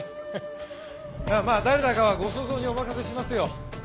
いやまあ誰だかはご想像にお任せしますよ。